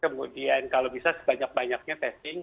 kemudian kalau bisa sebanyak banyaknya testing